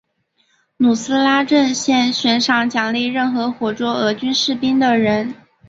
努斯拉阵线悬赏奖励任何活捉俄军士兵的人。